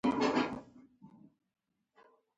_نه شم ويلای.